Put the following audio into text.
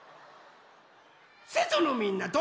瀬戸のみんなと。